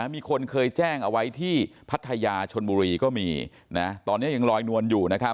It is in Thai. มีคนเคยแจ้งเอาไว้ที่พัทยาชนบุรีก็มีตอนนี้ยังลอยนวลอยู่นะครับ